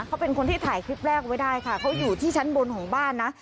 เขาเป็นคนที่ถ่ายคลิปแรกไว้ได้ค่ะเขาอยู่ที่ชั้นบนของบ้านนะ